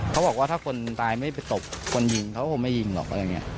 เขาบอกว่าถ้าคนตายไม่ไปตบคนยิงเขาก็คงไม่ยิงหรอกอะไรอย่างนี้